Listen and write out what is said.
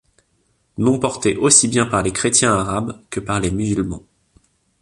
Nom porté aussi bien par les chrétiens arabes que par les musulmans.